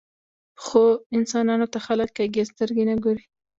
پخو انسانانو ته خلک کږې سترګې نه ګوري